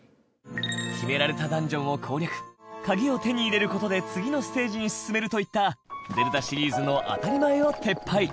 決められたダンジョンを攻略鍵を手に入れる事で次のステージに進めるといった『ゼルダ』シリーズの当たり前を撤廃